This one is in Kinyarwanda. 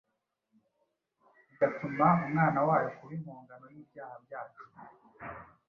igatuma Umwana wayo kuba impongano y’ibyaha byacu